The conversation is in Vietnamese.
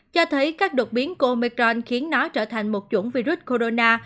cho thấy các đột biến của mecron khiến nó trở thành một chủng virus corona